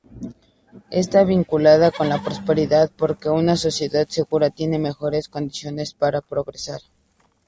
Está vinculada con la prosperidad, porque una sociedad segura tiene mejores condiciones para progresar.